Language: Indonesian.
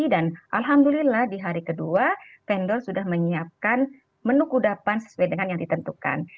dan alhamdulillah di hari kedua vendor sudah menyiapkan menu kudapan sesuai dengan yang ditentukan